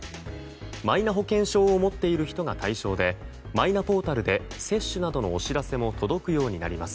マイナ保険証を持っている人が対象でマイナポータルで接種などのお知らせも届くようになります。